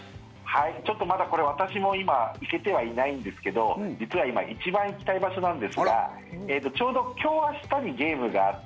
ちょっと、まだこれ私も今、行けてはいないんですが実は今一番行きたい場所なんですがちょうど今日、明日にゲームがあって